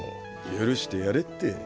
許してやれって。